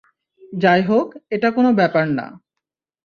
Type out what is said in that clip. যাই হোক, এটা কোনও ব্যাপার না!